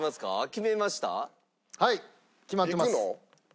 決まってます。